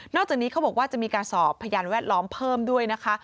อกจากนี้เขาบอกว่าจะมีการสอบพยานแวดล้อมเพิ่มด้วยนะคะ